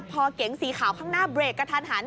พอเก๋งสีขาวข้างหน้าเบรกกระทันหัน